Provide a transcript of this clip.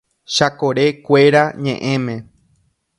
¡Chakorekuéra ñeʼẽme!